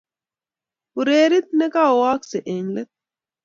urerit ni koakse eng let